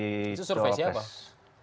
itu survei siapa